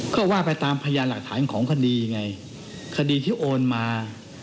ก็ว่าไปตามพยานหลักฐานของคดีไงคดีที่โอนมา